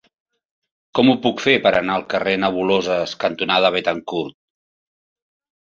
Com ho puc fer per anar al carrer Nebuloses cantonada Béthencourt?